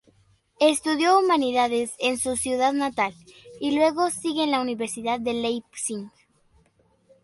Estudió humanidades en su ciudad natal, y luego sigue en la Universidad de Leipzig.